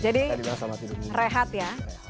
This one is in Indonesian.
jadi rehat ya